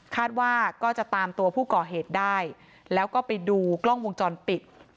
ว่าจะตามตัวผู้ก่อเหตุได้แล้วก็ไปดูกล้องวงจรปิด